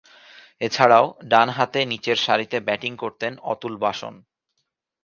এছাড়াও, ডানহাতে নিচেরসারিতে ব্যাটিং করতেন অতুল বাসন।